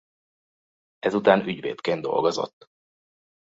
Ezután ügyvédként dolgozott.